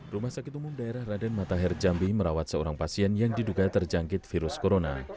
rumah sakit umum daerah raden matahir jambi merawat seorang pasien yang diduga terjangkit virus corona